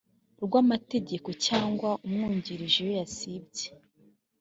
rw amategeko cyangwa umwungirije iyo yasibye